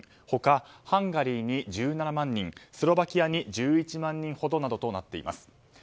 他、ハンガリーに１７万人スロバキアに１１万人ほどとなっています。